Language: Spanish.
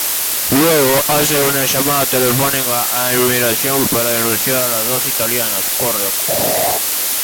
Luego, hace una llamada telefónica a inmigración para denunciar a los dos italianos.